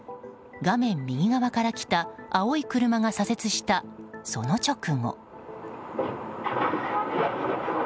画面右側から来た青い車が左折したその直後。